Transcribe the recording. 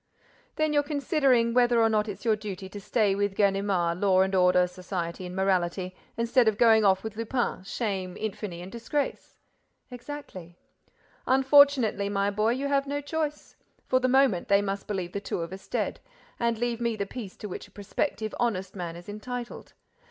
"Then you're considering whether it's not your duty to stay with Ganimard, law and order, society and morality, instead of going off with Lupin, shame, infamy and disgrace." "Exactly." "Unfortunately, my boy, you have no choice. For the moment, they must believe the two of us dead—and leave me the peace to which a prospective honest man is entitled.